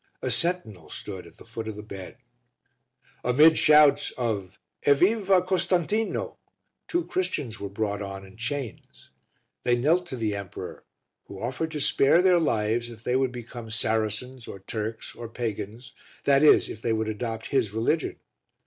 A sentinel stood at the foot of the bed. Amid shouts of "Evviva Costantino," two Christians were brought on in chains. They knelt to the emperor who offered to spare their lives if they would become Saracens or Turks or pagans that is, if they would adopt his religion.